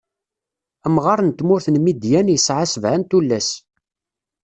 Amɣaṛ n tmurt n Midyan isɛa sebɛa n tullas.